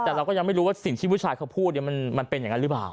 แต่เราก็ยังไม่รู้ว่าสิ่งที่ผู้ชายเขาพูดมันเป็นอย่างนั้นหรือเปล่า